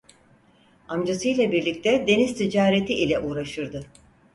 Amcasıyla birlikte deniz ticareti ile uğraşırdı.